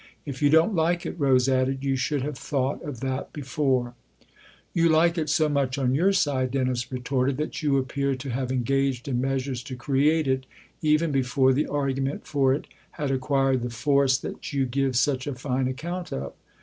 If you don't like it," Rose added, "you should have thought of that before !" "You like it so much on your side," Dennis retorted, "that you appear to have engaged in measures to create it even before the argument for it had acquired the force that you give such a fine account of."